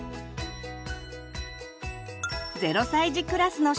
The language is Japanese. ０歳児クラスの食事。